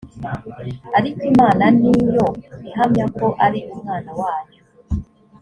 ariko imana ni yo ihamya ko ari umwana wayo